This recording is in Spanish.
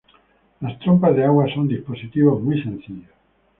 Las trompas de agua son dispositivos muy sencillos.